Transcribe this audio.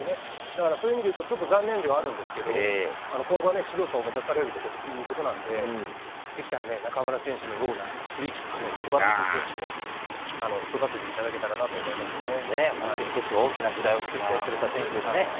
だからそういう意味でいうと、ちょっと残念ではあるんですけど、今後は指導者を目指されるということなんで、できたらね、中村選手のようなフリーキックのすばらしい選手を育てていただけ本当、一つ大きな時代を作ってくれた選手ですね。